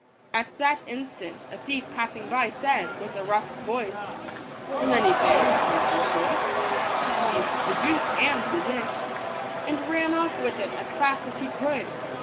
At that instant a thief passing by said, with a rough voice, " Many thanks, Mrs. Cook," seized the goose and the dish, and ran off with it as fast as he could.